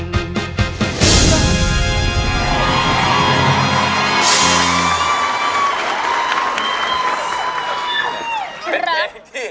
พี่ที่